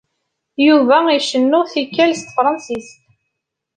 Yuba icennu tikkal s tefṛensist.